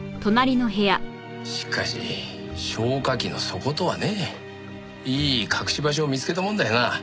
しかし消火器の底とはね。いい隠し場所を見つけたもんだよな。